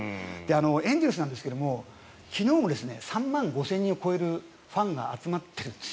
エンゼルスなんですけど昨日も３万５０００人を超えるファンが集まっているんです。